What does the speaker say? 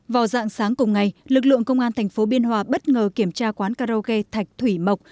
vào dạng sáng cùng ngày lực lượng công an thành phố biên hòa bất ngờ kiểm tra quán karaoke thạch thủy mộc